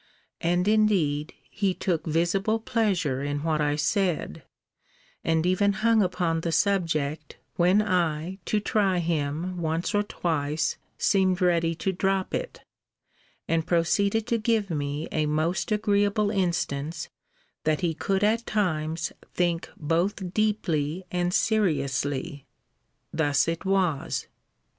And, indeed, he took visible pleasure in what I said, and even hung upon the subject, when I, to try him, once or twice, seemed ready to drop it: and proceeded to give me a most agreeable instance, that he could at times think both deeply and seriously. Thus it was.